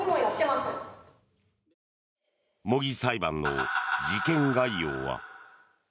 模擬裁判の事件概要は。